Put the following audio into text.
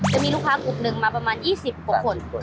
จะมีลูกค้าพกปองนึงมาประมาณ๒๐คน